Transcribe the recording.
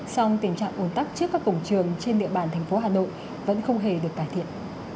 song tình trạng ồn tắc trước các cổng trường trên địa bàn thành phố hà nội vẫn không hề được cải thiện